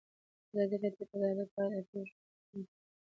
ازادي راډیو د عدالت په اړه د پېښو رپوټونه ورکړي.